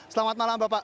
selamat malam bapak